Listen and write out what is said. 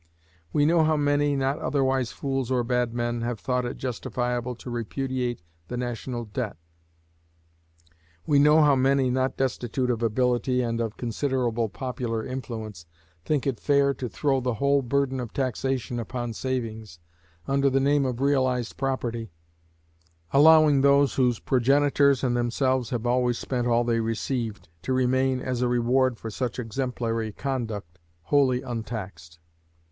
We know how many, not otherwise fools or bad men, have thought it justifiable to repudiate the national debt. We know how many, not destitute of ability and of considerable popular influence, think it fair to throw the whole burden of taxation upon savings, under the name of realized property, allowing those whose progenitors and themselves have always spent all they received, to remain, as a reward for such exemplary conduct, wholly untaxed.